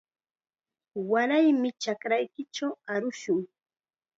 Waraymi chakraykichaw arushun.